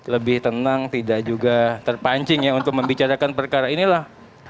lebih tenang tidak juga terpancing ya untuk membicarakan perkara inilah